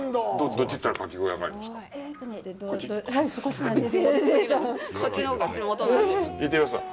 どっちに行ったら牡蠣小屋がありますか。